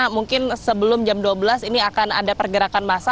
mungkin sebelum jam dua belas ini akan ada pergerakan masa